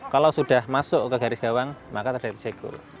kalau sudah masuk ke garis gawang maka terdeteksi goal